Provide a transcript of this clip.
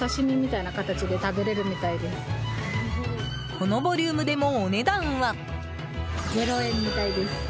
このボリュームでもお値段は。